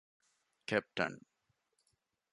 ކެޕްޓަން